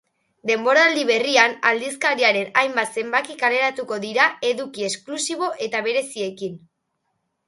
Denboraldi berrian, aldizkariaren hainbat zenbaki kaleratuko dira eduki esklusibo eta bereziekin.